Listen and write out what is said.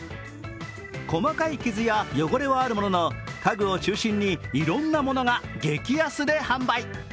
細かい傷や汚れはあるものの家具を中心にいろんなものが激安で販売。